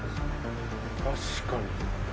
確かに。